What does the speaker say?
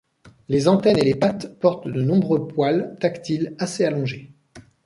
Les antennes et les pattes portent de nombreux poils tactiles assez allongés.